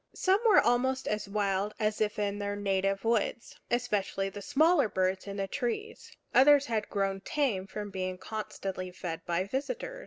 Some were almost as wild as if in their native woods, especially the smaller birds in the trees; others had grown tame from being constantly fed by visitors.